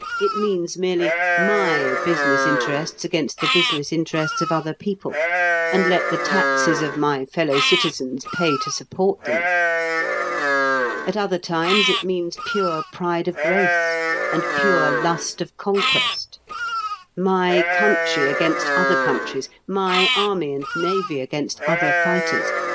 It means merely, "My business interests against the business interests of other people, and let the taxes of my fellow citizens pay to support them." At other times it means pure pride of race, and pure lust of conquest: "My country against other countries! My army and navy against other fighters!